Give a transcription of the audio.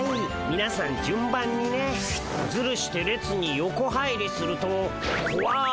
みなさん順番にね。ズルして列に横入りするとこわい